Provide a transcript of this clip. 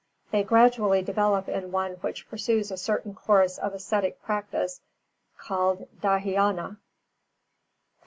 They gradually develop in one which pursues a certain course of ascetic practice called Dhyāna. 369.